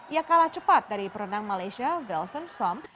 ia kalah cepat dari perenang malaysia velson somp